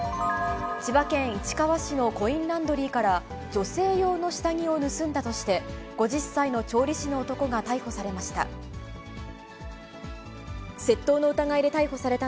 千葉県市川市のコインランドリーから、女性用の下着を盗んだとして、５０歳の調理師の男が逮捕されました。